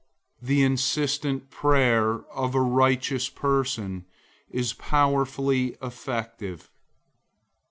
The insistent prayer of a righteous person is powerfully effective.